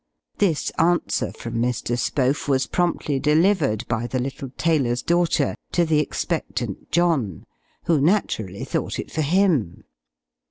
This answer from Mr. Spohf was promptly delivered by the little tailor's daughter to the expectant John; who naturally thought it for him.